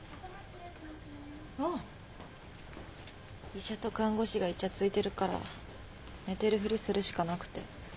医者と看護師がいちゃついてるから寝てるふりするしかなくて。